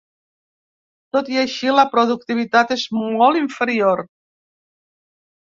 Tot i així, la productivitat és molt inferior.